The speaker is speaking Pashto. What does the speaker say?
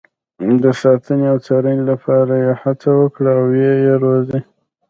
د ساتنې او څارنې لپاره یې هڅه وکړو او ویې روزو.